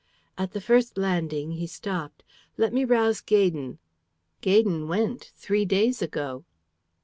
At the first landing he stopped. "Let me rouse Gaydon." "Gaydon went three days ago."